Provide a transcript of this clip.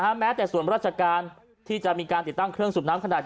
แม้แต่ส่วนราชการที่จะมีการติดตั้งเครื่องสูบน้ำขนาด